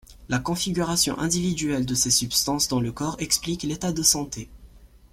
La configuration individuelle de ces substances dans le corps explique l'état de santé.